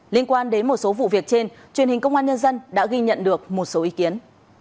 liên quan đến một số vụ việc trên truyền hình công an nhân dân đã ghi nhận được một số ý kiến